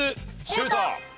シュート！